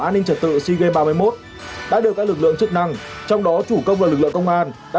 an ninh trật tự cg ba mươi một đã được các lực lượng chức năng trong đó chủ công và lực lượng công an đã